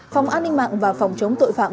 phòng an ninh mạng và phòng chống tội phạm